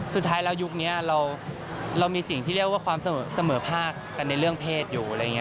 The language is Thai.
สุดท้ายแล้วยุคนี้เรามีสิ่งที่เรียกว่าความเสมอภาคกันในเรื่องเพศอยู่อะไรอย่างนี้